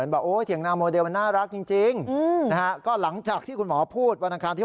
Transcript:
ต้องบอกก่อนคุณหมอพูดวันไหน